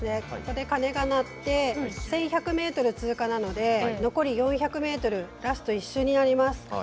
ここで鐘が鳴って１１００ｍ通過なので残り４００ｍラスト１周になります。